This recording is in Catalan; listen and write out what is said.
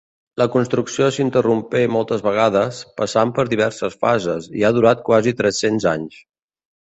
La construcció s'interrompé moltes vegades, passant per diverses fases i ha durat quasi tres-cents anys.